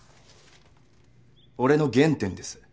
俺の原点です。